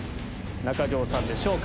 中条さんでしょうか？